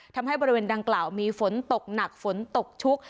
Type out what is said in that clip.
ทำให้บริเวณดังกล่าวมีฝนตกหนักฝนตกชุก